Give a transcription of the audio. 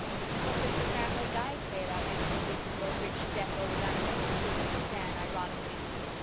"What does the Family Guide say about entertaining your rich, deaf old aunt?" queried Dan ironically.